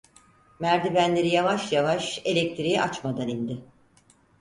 Merdivenleri yavaş yavaş, elektriği açmadan indi.